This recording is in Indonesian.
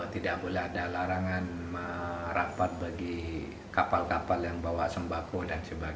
tidak boleh ada larangan rapat bagi kapal kapal yang bawa sembako dan sebagainya